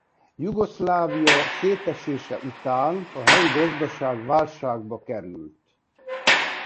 Jugoszlávia szétesése után a helyi gazdaság válságba került.